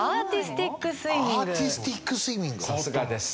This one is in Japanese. さすがです。